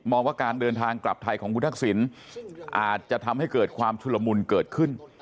ว่าการเดินทางกลับไทยของคุณทักษิณอาจจะทำให้เกิดความชุลมุนเกิดขึ้น